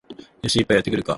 よし、一杯やってくるか